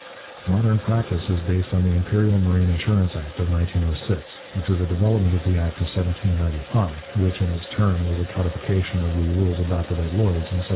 Modern practice is based on the Imperial Marine Insurance Act of 1906, which is a development of the Act of 1795, which, in its turn, was a codification of the rules adopted at Lloyd's in 1779.